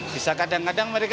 bisa kadang kadang mereka